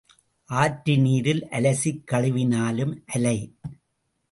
ஆற்று நீரில் அலசிக் கழுவினாலும் அலை.